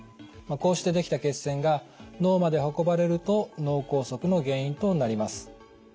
こうしてできた血栓が脳まで運ばれると脳梗塞の原因となります。